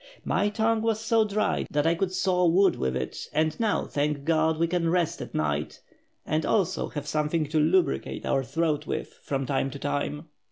My tongue was so dry that I could saw wood with it, and now thank God, we can rest at night, and also have something to lubricate our throat with from time to time."